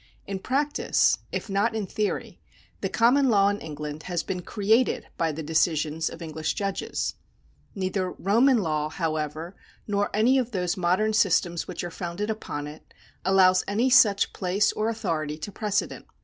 In practice, if not in theory, the common law in England has been created by the decisions of English judges. Neither Roman law, however, nor any of those modern systems which are founded upon it, allows any such place or authority to precedent.